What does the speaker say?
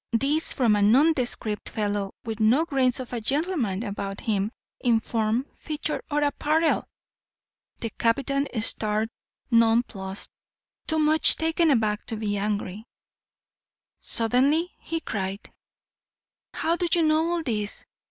This from a nondescript fellow with no grains of a gentleman about him in form, feature, or apparel! The captain stared nonplussed, too much taken aback to be even angry. Suddenly he cried: "How do you know all this?